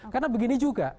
karena begini juga